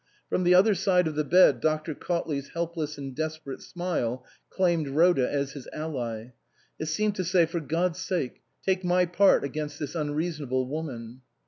From the other side of the bed Dr. Cautley's helpless and desperate smile claimed Rhoda as his ally. It seemed to say, " For God's sake take my part against this unreasonable woman."